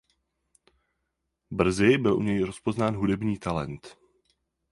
Brzy byl u něj rozpoznán hudební talent.